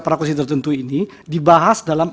pada kondisi tertentu ini dibahas dan